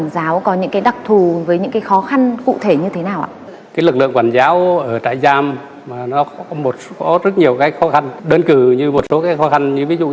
mà còn là của những người